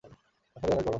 আসলেই অনেক গরম।